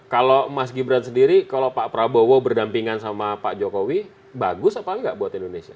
kalau mas gibran sendiri kalau pak prabowo berdampingan sama pak jokowi bagus apa enggak buat indonesia